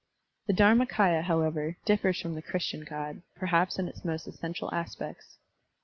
The Dharmakdya, however, differs from the Christian God, perhaps in its most essential aspects.